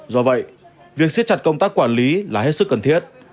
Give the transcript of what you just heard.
do vậy việc siết chặt công tác quản lý là hết sức cần thiết